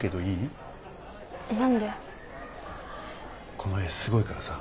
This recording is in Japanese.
この絵すごいからさ